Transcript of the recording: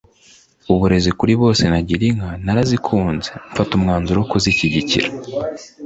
uburezi kuri bose na Girinka narazikunze mfata n’umwanzuro wo kuzishyigikira”